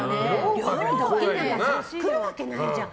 寮にドッキリなんか来るわけないじゃん